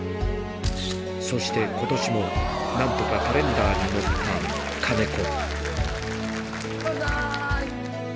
そして、ことしもなんとかカレンダーに載った金子。